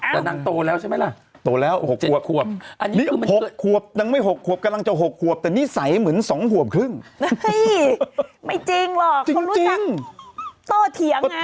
จริงคนกลัวกันคนกลัวกันไปหมดเลยนะ